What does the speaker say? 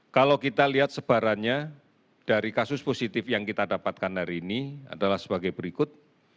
kalau kita lihat sebarannya dari kasus positif yang kita dapatkan hari ini adalah sebagai berikut